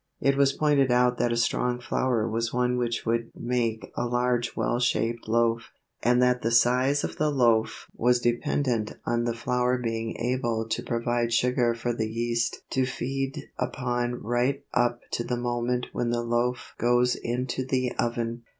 It was pointed out that a strong flour was one which would make a large well shaped loaf, and that the size of the loaf was dependent on the flour being able to provide sugar for the yeast to feed upon right up to the moment when the loaf goes into the oven.